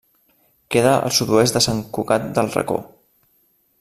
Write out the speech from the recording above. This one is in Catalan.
Queda al sud-oest de Sant Cugat del Racó.